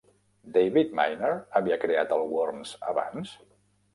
David Maynard havia creat el Worms abans?